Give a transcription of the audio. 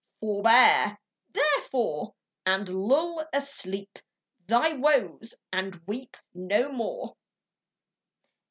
Forbear, therefore, And lull asleep Thy woes, and weep No more.